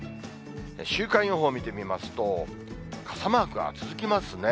週間予報見てみますと、傘マークが続きますね。